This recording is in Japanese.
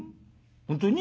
本当に？